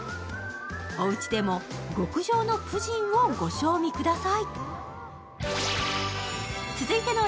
おうちでも極上のプヂンをご賞味ください。